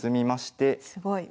すごい。